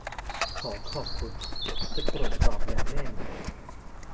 ขอขอบคุณ. จะตรวจสอบอย่างแน่นอน